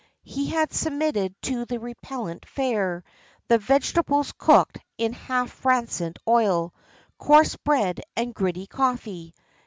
He had submitted to the repellent fare, the vegetables cooked in half rancid oil, coarse bread and gritty coffee.